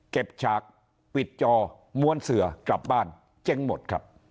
ฉากปิดจอม้วนเสือกลับบ้านเจ๊งหมดครับ